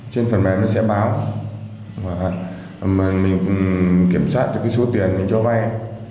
trên phần mềm nó sẽ báo và mình kiểm soát cái số tiền mình cho vai